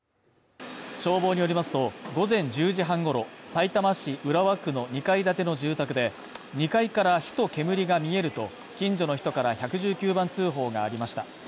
消防によりますと、午前１０時半ごろ、さいたま市浦和区の２階建ての住宅で２階から火と煙が見えると近所の人から１１９番通報がありました。